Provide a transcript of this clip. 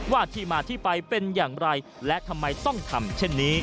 ว่าที่มาที่ไปเป็นอย่างไรและทำไมต้องทำเช่นนี้